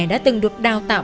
đã từng được đào tạo